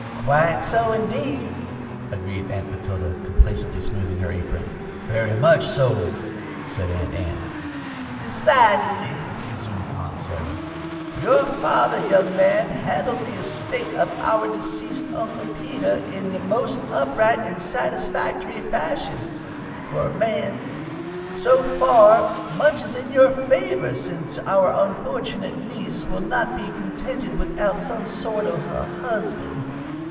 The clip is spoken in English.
"Quite so, indeed," agreed Aunt Matilda, complacently smoothing her apron. "Very much so," added Aunt Ann. "Decidedly," resumed Aunt Sarah. "Your father, young man, handled the estate of our deceased Uncle Peter in a most upright and satisfactory fashion for a man. So far, much is in your favor, since our unfortunate niece will not be contented without some sort of a husband.